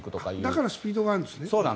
だからスピードがあるんですね。